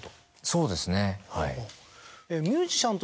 そうですねはい。